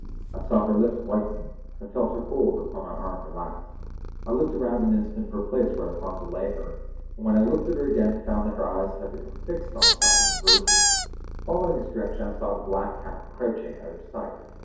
I saw her lips whiten, and felt her hold upon my arm relax. I looked around an instant for a place whereon to lay her, and when I looked at her again found that her eye had become fixed on the side of the Virgin. Following its direction I saw the black cat crouching out of sight.